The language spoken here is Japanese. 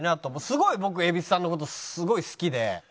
すごい僕蛭子さんの事すごい好きで。